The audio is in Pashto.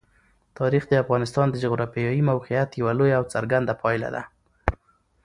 تاریخ د افغانستان د جغرافیایي موقیعت یوه لویه او څرګنده پایله ده.